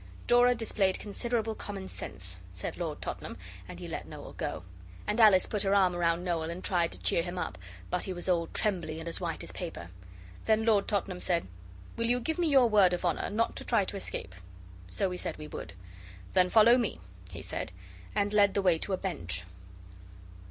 'Dora displayed considerable common sense,' said Lord Tottenham, and he let Noel go. And Alice put her arm round Noel and tried to cheer him up, but he was all trembly, and as white as paper. Then Lord Tottenham said 'Will you give me your word of honour not to try to escape?' So we said we would. 'Then follow me,' he said, and led the way to a bench.